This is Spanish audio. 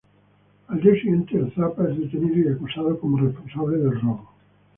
Al día siguiente, el Zapa es detenido y acusado como responsable del robo.